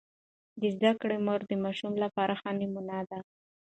د زده کړې مور د ماشوم لپاره ښه نمونه ده.